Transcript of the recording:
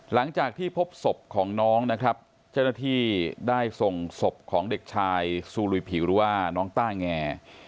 หลังจากที่พบศพของน้องนะครับเจ้าหน้าที่ได้ส่งศพของเด็กชายซูลุยผิวหรือว่าน้องต้าแง